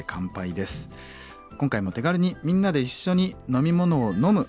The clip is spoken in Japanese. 今回も手軽にみんなで一緒に飲み物を飲む。